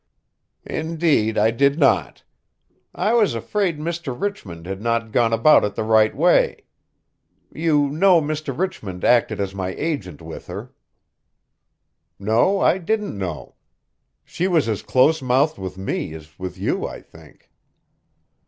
"Indeed I did not. I was afraid Mr. Richmond had not gone about it the right way. You know Mr. Richmond acted as my agent with her?" "No, I didn't know. She was as close mouthed with me as with you, I think."